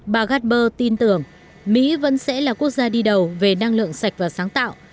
bà gatber tin tưởng mỹ vẫn sẽ là quốc gia đi đầu về năng lượng sạch và sáng tạo